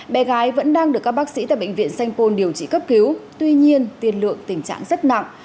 bé gái vẫn đang được các bác sĩ tại bệnh viện sanh pôn điều trị cấp cứu tuy nhiên tiền lượng tình trạng rất nặng